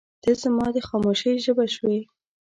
• ته زما د خاموشۍ ژبه شوې.